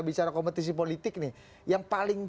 bicara kompetisi politik nih yang paling